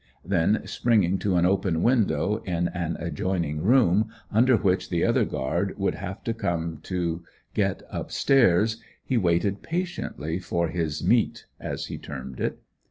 Then springing to an open window, in an adjoining room, under which the other guard would have to come to get up stairs, he waited patiently for his "meat," as he termed it.